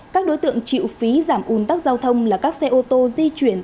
các đối tượng chịu phí giảm ủn tắc giao thông là các xe ô tô di chuyển